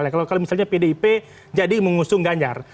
kalau misalnya pdip jadi mengusung ganjar